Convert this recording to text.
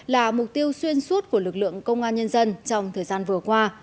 là mục tiêu xuyên suốt của lực lượng công an nhân dân trong thời gian vừa qua